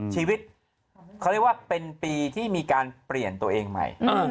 ชีวิตเขาเรียกว่าเป็นปีที่มีการเปลี่ยนตัวเองใหม่